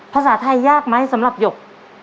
ภาษาไทยยากไหมสำหรับหยก